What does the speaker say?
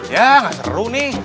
yaa gak seru nih